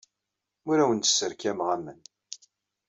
Ur awen-d-sserkameɣ aman.